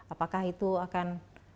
apakah itu akan